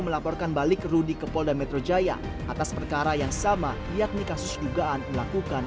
melaporkan balik rudy ke polda metro jaya atas perkara yang sama yakni kasus dugaan melakukan